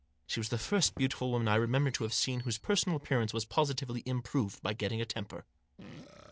She was the first beautiful woman I remembered to have seen whose personal appearance was positively improved by getting into a temper.